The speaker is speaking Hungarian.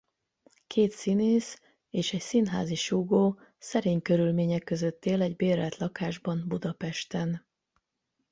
Két színész és egy színházi súgó szerény körülmények között él egy bérelt lakásban Budapesten.